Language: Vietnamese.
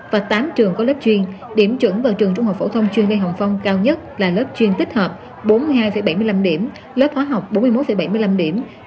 và tám trường có lớp chuyên điểm chuẩn vào trường trung học phổ thông chuyên lê hồng phong cao nhất là lớp chuyên tích hợp bốn mươi hai bảy mươi năm điểm lớp khóa học bốn mươi một bảy mươi năm điểm